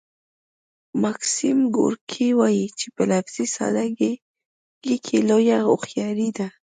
ماکسیم ګورکي وايي چې په لفظي ساده ګۍ کې لویه هوښیاري ده